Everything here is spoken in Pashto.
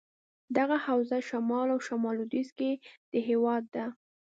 دغه حوزه شمال او شمال لودیځ کې دهیواد ده.